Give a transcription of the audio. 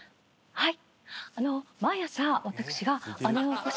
はい。